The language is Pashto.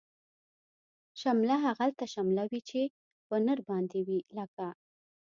شمله هغلته شمله وی، چه په نرباندی وی لکه